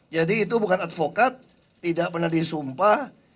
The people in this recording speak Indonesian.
jadi itu bukan advokat tidak pernah disumpah